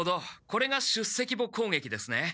これが出席簿攻撃ですね。